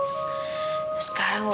kak tapi rituals penggulung keluar